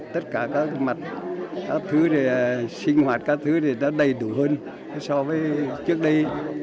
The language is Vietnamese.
tất cả các mặt các thứ về sinh hoạt các thứ thì đã đầy đủ hơn so với trước đây